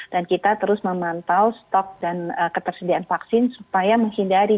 dan kita terus memantau stok dan ketersediaan vaksin supaya menghindari